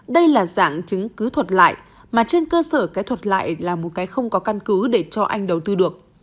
đây là dạng chứng cứ thuật lại mà trên cơ sở kỹ thuật lại là một cái không có căn cứ để cho anh đầu tư được